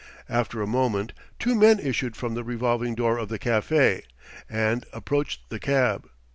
After a moment two men issued from the revolving door of the café, and approached the cab.